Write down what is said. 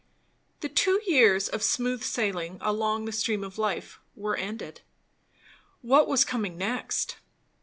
The two years of smooth sailing along the stream of life, were ended. What was coming next?